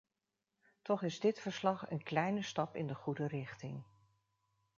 Toch is dit verslag een kleine stap in de goede richting.